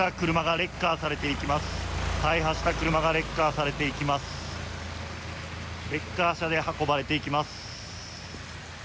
レッカー車で運ばれていきます。